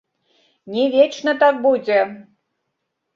Не вечна так будзе!